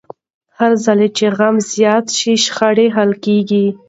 هرځل چې زغم زیات شي، شخړې حل کېږي.